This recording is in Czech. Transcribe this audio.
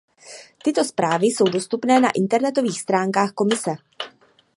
Tyto zprávy jsou dostupné na internetových stránkách Komise.